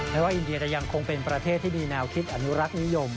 ว่าอินเดียจะยังคงเป็นประเทศที่มีแนวคิดอนุรักษ์นิยม